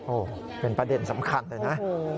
โอ้โหเป็นประเด็นสำคัญเลยนะ